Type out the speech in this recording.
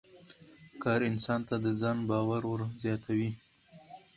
کار انسان ته د ځان باور ور زیاتوي